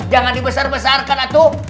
jangan dibesar besarkan anto